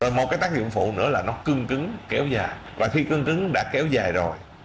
một cái tác dụng phụ nữa là nó cưng cứng kéo dài và khi cơn cứng đã kéo dài rồi